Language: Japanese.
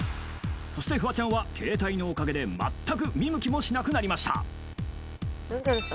そしてフワちゃんは携帯のおかげで全く見向きもしなくなりました